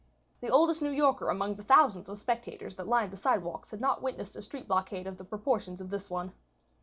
The oldest New Yorker among the thousands of spectators that lined the sidewalks had not witnessed a street blockade of the proportions of this one.